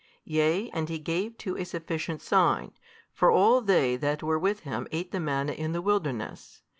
Yea and he gave too a sufficient sign, for all they that were with him ate the manna in the wilderness.